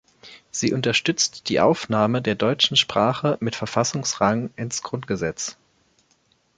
Sie unterstützt die Aufnahme der deutschen Sprache mit Verfassungsrang ins Grundgesetz.